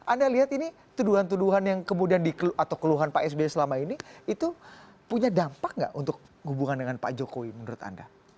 anda lihat ini tuduhan tuduhan yang kemudian dikeluh atau keluhan pak sby selama ini itu punya dampak nggak untuk hubungan dengan pak jokowi menurut anda